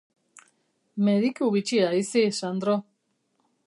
Mediku bitxia haiz hi, Sandro.